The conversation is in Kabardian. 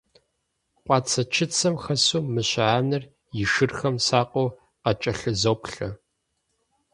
Къуацэ-чыцэм хэсу мыщэ анэр и шырхэм сакъыу къакӀэлъызоплъэ.